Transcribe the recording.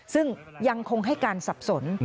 ซึ่งยังคงให้การสับสน